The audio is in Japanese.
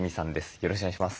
よろしくお願いします。